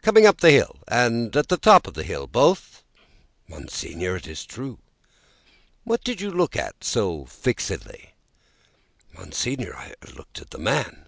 "Coming up the hill, and at the top of the hill, both?" "Monseigneur, it is true." "What did you look at, so fixedly?" "Monseigneur, I looked at the man."